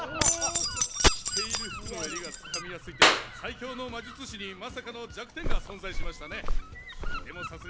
着ている服の襟が掴みやすいって最強の魔術師にまさかの弱点が存在しましたね。